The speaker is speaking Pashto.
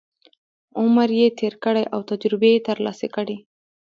عمر یې تېر کړی او تجربې یې ترلاسه کړي.